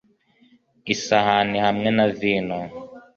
Isahani hamwe na vino